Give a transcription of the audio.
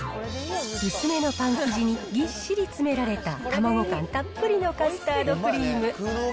薄めのパン生地に、ぎっしり詰められた卵感たっぷりのカスタードクリーム。